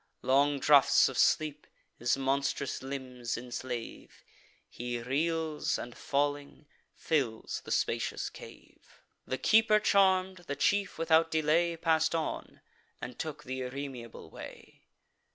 Long draughts of sleep his monstrous limbs enslave; He reels, and, falling, fills the spacious cave. The keeper charm'd, the chief without delay Pass'd on, and took th' irremeable way.